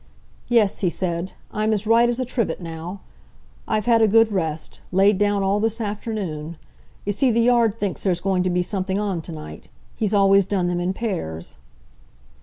"Yes," he said, "I'm as right as a trivet now! I've had a good rest—laid down all this afternoon. You see, the Yard thinks there's going to be something on to night. He's always done them in pairs."